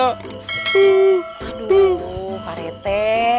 aduh pak rete